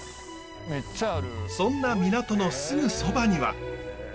そんな港のすぐそばには。